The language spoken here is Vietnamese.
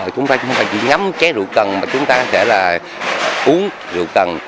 chúng ta không phải chỉ ngắm trái rượu cần mà chúng ta sẽ là uống rượu cần